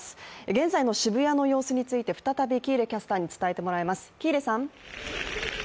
現在の渋谷の様子について、再び喜入キャスターに伝えていただきます。